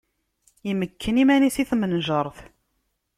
Imekken iman-is i tmenjeṛt.